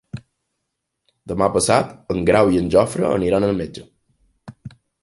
Demà passat en Grau i en Jofre aniran al metge.